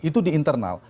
itu di internal